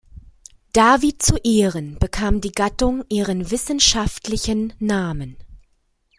David zu Ehren bekam die Gattung ihren wissenschaftlichen Namen.